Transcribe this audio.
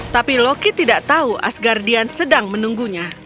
tapi loki tidak tahu asgardian sedang menunggunya